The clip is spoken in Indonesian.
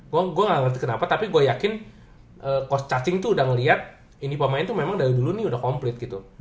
gue gak ngerti kenapa tapi gue yakin coach charging tuh udah ngeliat ini pemain tuh memang dari dulu nih udah komplit gitu